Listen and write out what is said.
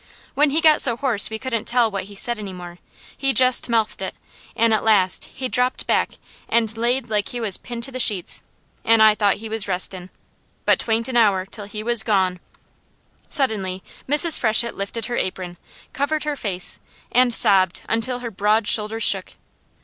When he got so hoarse we couldn't tell what he said any more, he jest mouthed it, an' at last he dropped back and laid like he was pinned to the sheets, an' I thought he was restin', but 'twa'n't an hour 'til he was gone." Suddenly Mrs. Freshett lifted her apron, covered her face and sobbed until her broad shoulders shook.